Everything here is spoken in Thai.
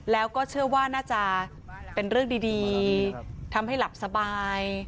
แล้วก็เชื่อว่าน่าจะเป็นเรื่องดีทำให้หลับสบาย